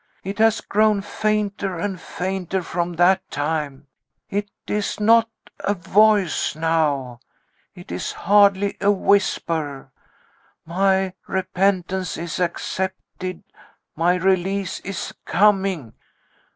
It has grown fainter and fainter from that time. It is not a Voice now. It is hardly a whisper: my repentance is accepted, my release is coming.